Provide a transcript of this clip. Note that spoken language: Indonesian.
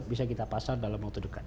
bisa kita pasar dalam waktu dekat